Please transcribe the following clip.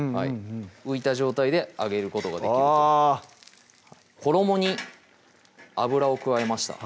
浮いた状態で揚げることができるあ衣に油を加えました